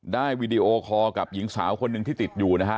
วีดีโอคอลกับหญิงสาวคนหนึ่งที่ติดอยู่นะฮะ